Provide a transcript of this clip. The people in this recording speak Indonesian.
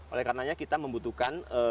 oleh karenanya kita membutuhkan